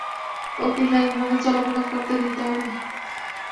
ওকে স্বাধীনভাবে চলাফেরা করতে দিতে হবে।